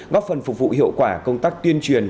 góp phần phục vụ hiệu quả công tác tuyên truyền